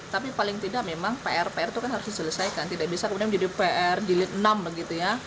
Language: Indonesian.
tapi paling tidak memang pr pr itu kan harus diselesaikan tidak bisa kemudian menjadi pr jilid enam begitu ya